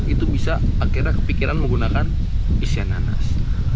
itu bisa akhirnya kepikiran menggunakan isian nanas